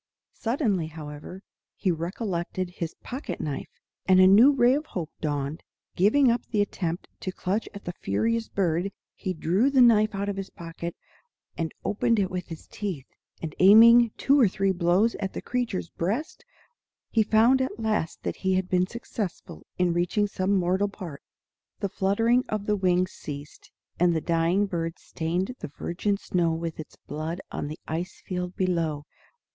Suddenly, however, he recollected his pocket knife, and a new ray of hope dawned. Giving up the attempt to clutch at the furious bird, he drew the knife out of his pocket, and opened it with his teeth, and aiming two or three blows at the creature's breast, he found at last that he had been successful in reaching some mortal part. The fluttering of the wings ceased, and the dying bird stained the virgin snow with its blood on the ice field below.